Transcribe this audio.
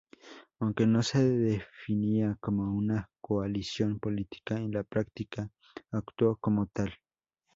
Aunque no se definía como una coalición política, en la práctica actuó como tal.